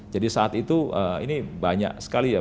jadi saat itu ini banyak sekali